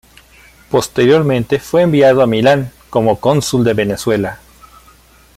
Posteriormente fue enviado a Milán como cónsul de Venezuela.